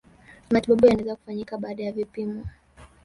matibabu yanaweza kufanyika baada ya vipimo